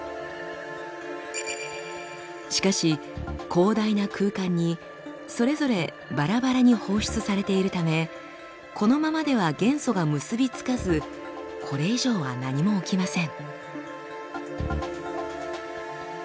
しかし広大な空間にそれぞればらばらに放出されているためこのままでは元素が結び付かずこれ以上は何も起きません。